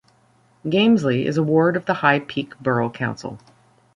Gamesley is a ward of the High Peak Borough Council.